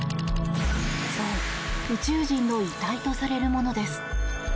そう宇宙人の遺体とされるものです。